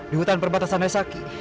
di hutan perbatasan naisa ki